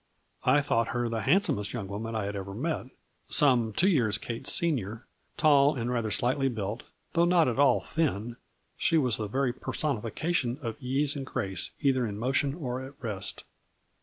I thought her the handsomest young woman I had ever met. Some two years Kate's senior, tall and rather slightly built, though not at all ' thin,' she was the very personification of ease and grace either in motion or at rest.